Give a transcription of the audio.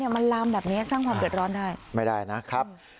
มันลามแบบนี้สร้างความเดือดร้อนได้ไม่ได้นะครับ